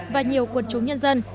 và nhiều quân chúng nhân dân